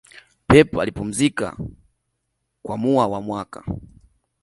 pep alipumzika kwa muwa wa mwaka